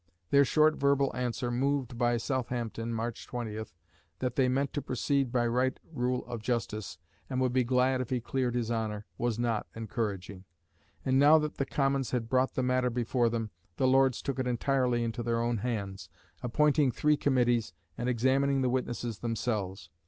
Their short verbal answer, moved by Southampton (March 20), that they meant to proceed by right rule of justice, and would be glad if he cleared his honour, was not encouraging. And now that the Commons had brought the matter before them, the Lords took it entirely into their own hands, appointing three Committees, and examining the witnesses themselves.